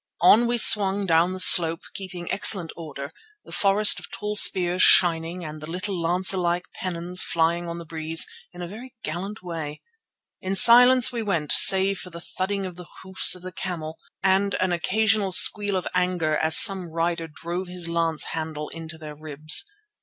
On we swung down the slope, keeping excellent order, the forest of tall spears shining and the little lancer like pennons fluttering on the breeze in a very gallant way. In silence we went save for the thudding of the hoofs of the camels and an occasional squeal of anger as some rider drove his lance handle into their ribs.